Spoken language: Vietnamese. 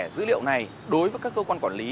dữ liệu này đối với các cơ quan quản lý